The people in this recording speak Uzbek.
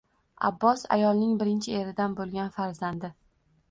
Abbos ayolning birinchi eridan bo`lgan farzandi